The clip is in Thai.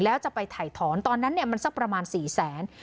แล้วจะไปถ่ายถอนตอนนั้นมันสักประมาณ๔แสน